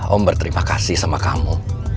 om berterima kasih sama kamu